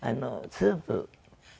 スープ？